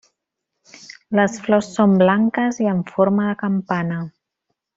Les flors són blanques i amb forma de campana.